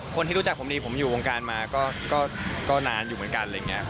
คนที่รู้จักผมดีผมอยู่วงการมาก็นานอยู่เหมือนกัน